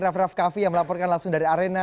raff raff kaffi yang melaporkan langsung dari arena